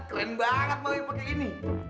keren banget mami pakai ini